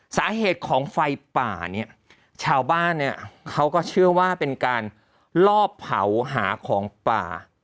สาเหตุของไฟป่าเนี่ยชาวบ้านเนี่ยเขาก็เชื่อว่าเป็นการลอบเผาหาของป่า